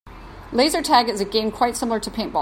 Laser tag is a game quite similar to paintball.